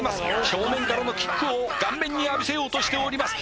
正面からのキックを顔面に浴びせようとしております